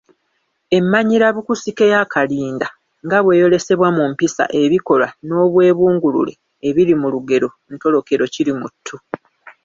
Emmanyirabukusike ya Kalinda nga bw’eyolesebwa mu mpisa, ebikolwa, n’obwebungulule ebiri mu lugero entolokero Kirimuttu.